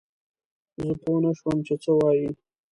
زه پوه نه شوم چې څه وايي؟